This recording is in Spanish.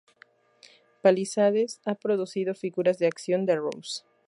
Palisades ha producido figuras de acción de Ross.